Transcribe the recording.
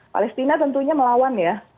palestina tentunya melawan ya